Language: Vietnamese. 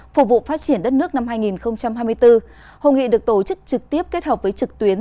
phục vụ phát triển đất nước năm hai nghìn hai mươi bốn hội nghị được tổ chức trực tiếp kết hợp với trực tuyến